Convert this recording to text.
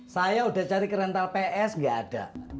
saya udah cari kerental ps nggak ada